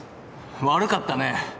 悪かったね。